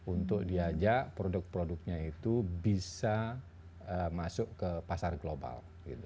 untuk diajak produk produknya itu bisa masuk ke pasar global